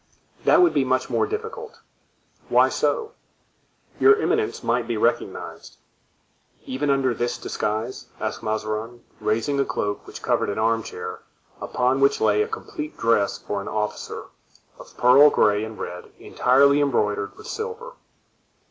"That would be much more difficult." "Why so?" "Your eminence might be recognized." "Even under this disguise?" asked Mazarin, raising a cloak which covered an arm chair, upon which lay a complete dress for an officer, of pearl gray and red, entirely embroidered with silver.